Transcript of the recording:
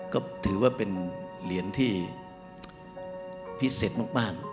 ก็ถือว่าเป็นเหรียญที่พิเศษมาก